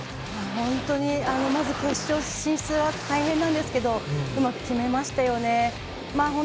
本当に、まず決勝進出は大変なんですがうまく決めましたよね。